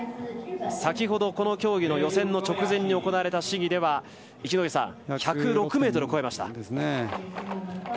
先ほどこの競技の予選の直前に行われた試技では１０６ｍを超えました。